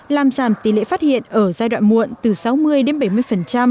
làm giảm tỷ lệ phát hiện ở giai đoạn muộn từ sáu mươi đến bảy mươi